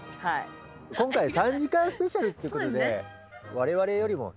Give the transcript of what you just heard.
今回３時間スペシャルっていうことで。